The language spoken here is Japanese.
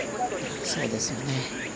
そうですよね。